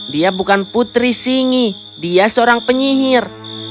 dia bukan putri singi dia seorang penyihir